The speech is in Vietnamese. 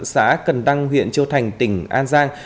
xã cần tăng huyện châu thành tỉnh an giang